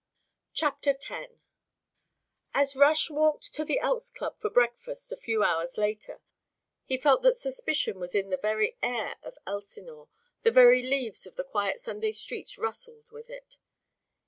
CHAPTER X As Rush walked to the Elks' Club for breakfast a few hours later he felt that suspicion was in the very air of Elsinore, the very leaves of the quiet Sunday streets rustled with it.